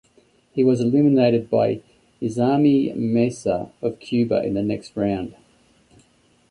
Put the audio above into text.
He was eliminated by Isami Mesa of Cuba in the next round.